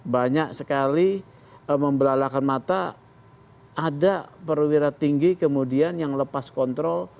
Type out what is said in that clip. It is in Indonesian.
banyak sekali membelalakan mata ada perwira tinggi kemudian yang lepas kontrol